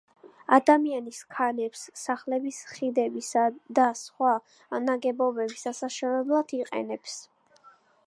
ადამიანის ქანებს სახლების, ხიდებისა და სხვა ნაგებობების ასაშენებლად იყენებს